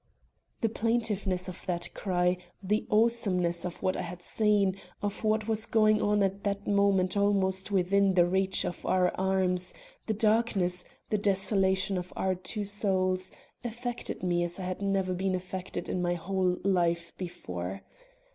The plaintiveness of that cry, the awesomeness of what I had seen of what was going on at that moment almost within the reach of our arms the darkness, the desolation of our two souls, affected me as I had never been affected in my whole life before.